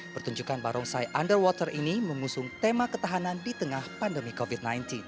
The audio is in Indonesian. pertunjukan barongsai underwater ini mengusung tema ketahanan di tengah pandemi covid sembilan belas